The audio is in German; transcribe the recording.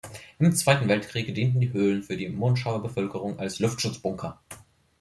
Im Zweiten Weltkrieg dienten die Höhlen für die Monschauer Bevölkerung als Luftschutzbunker.